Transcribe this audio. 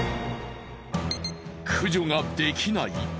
駆除ができない！？